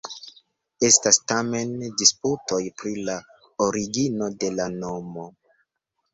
Estas tamen disputoj pri la origino de la nomo.